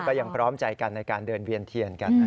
ยังพร้อมใจกันในการเดินเวียนเทียนกัน